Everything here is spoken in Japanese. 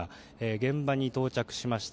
現場に到着しました。